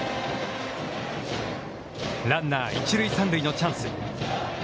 ランナー一塁三塁のチャンス。